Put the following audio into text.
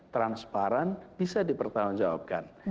transparan bisa dipertanggungjawabkan